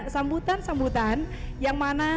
sambutan sambutan yang mana